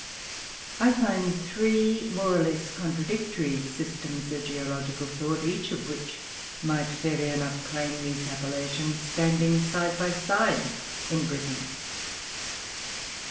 I find three, more or less contradictory, systems of geological thought, each of which might fairly enough claim these appellations, standing side by side in Britain.